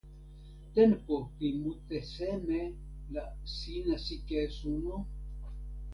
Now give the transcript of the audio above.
tenpo pi mute seme la sina sike e suno?